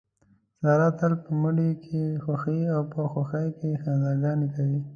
ساره تل په مړي کې خوښي او په خوښۍ کې خندا ګانې کوي.